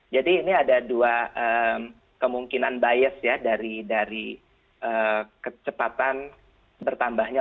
jadi ini ada dua kemungkinan bias ya dari kecepatan bertambahnya